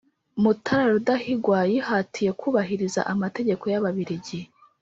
Mutara Rudahigwa yihatiye kubahiriza amategeko y'Ababiligi